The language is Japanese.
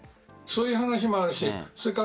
そういう話もあるし